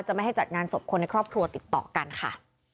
ไม่ให้จัดงานศพคนในครอบครัวติดต่อกันค่ะ